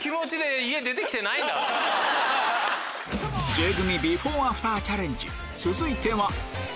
Ｊ組ビフォーアフターチャレンジ